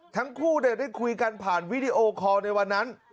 ทั้งคู่ได้คุยกันผ่านวิดีโอคอลในวันนั้น